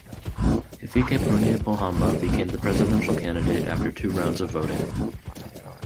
Hifikepunye Pohamba became the presidential candidate after two rounds of voting.